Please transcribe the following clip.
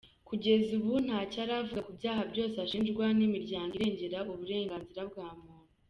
Kugeza ubu ntacyo aravuga ku byaha byose ashinjwa n’imiryango irengera uburenganzira bwa muntu.